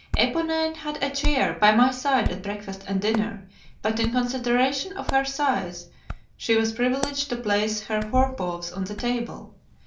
Eponine had a chair by my side at breakfast and dinner, but in consideration of her size she was privileged to place her fore paws on the table.